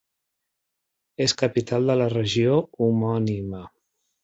És capital de la regió homònima.